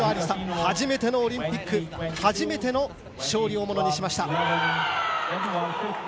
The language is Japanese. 初めてのオリンピック初めての勝利をものにしました。